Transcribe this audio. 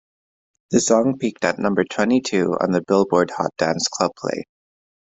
The song peaked at number twenty two on the "Billboard" Hot Dance Club Play.